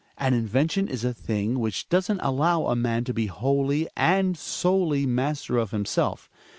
An invention is a thing which doesn't allow a man to be wholly and solely master of himself.